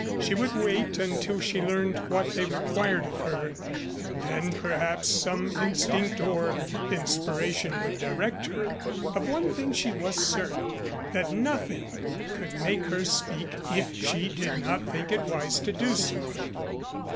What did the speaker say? She would wait until she learned what they required of her and then perhaps some instinct or inspiration would direct her. Of one thing she was certain, that nothing could make her speak if she did not think it wise to do so.